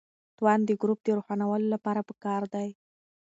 توان د ګروپ د روښانولو لپاره پکار دی.